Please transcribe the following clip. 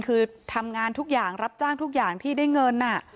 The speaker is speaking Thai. คือทำงานทุกอย่างรับจ้างทุกอย่างที่ได้เงิน